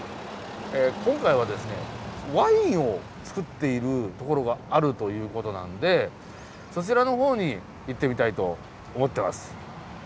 今回はですねワインを造っている所があるということなんでそちらのほうに行ってみたいと思ってます。